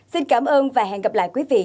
xin cảm ơn và hẹn gặp lại quý vị